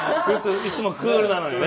いつもクールなのにね。